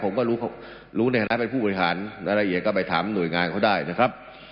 ผมก็รู้ในฐานะเป็นผู้บริหารรายละเอียดก็ไปถามหน่วยงานเขาได้นะครับ